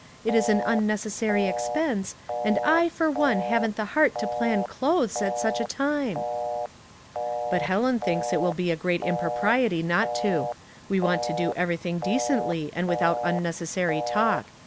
It is an unnecessary ex Mourning and Dressmaking. 99 pense, and I for one haven't the heart to plan clothes at such a time." " But Helen thinks it will be a great impro priety not to. We want to do everything de cently and without unnecessary talk.